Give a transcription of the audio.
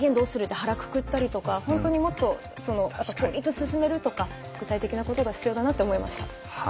で腹くくったりとか本当にもっと、いつ進めるとか具体的なことが必要だなと思いました。